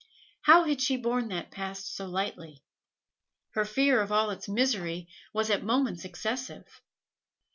How had she borne that past so lightly? Her fear of all its misery was at moments excessive.